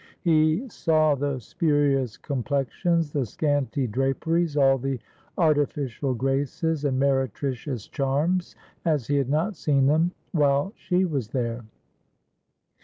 He saw the spurious complexions, the scanty draperies, all the artificial graces and meretricious charms, as he had not seen them while she was there.